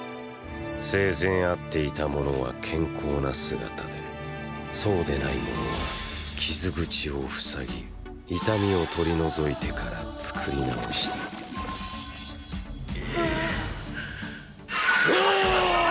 生前会っていた者は健康な姿でそうでない者は傷口を塞ぎ痛みを取り除いてから作り直したうおおおーー！！